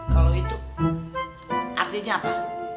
kalo itu artinya apa